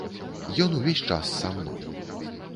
Ён увесь час са мной.